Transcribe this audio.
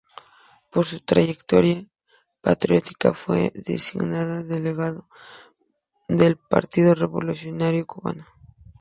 Por su trayectoria patriótica fue designado delegado del Partido Revolucionario Cubano.